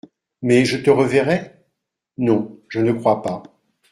Mais je te reverrai ? Non, je ne crois pas.